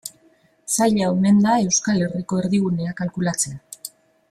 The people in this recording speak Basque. Zaila omen da Euskal Herriko erdigunea kalkulatzea.